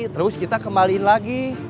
terus kita kembaliin lagi